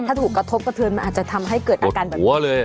ถ้าถูกกระทบกระเทือนมันอาจจะทำให้เกิดอาการแบบนี้เลย